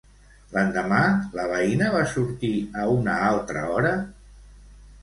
L'endemà la veïna va sortir a una altra hora?